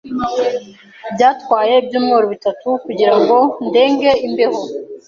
Byatwaye ibyumweru bitatu kugirango ndenge imbeho.